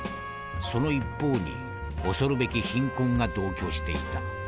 その一方に恐るべき貧困が同居していた。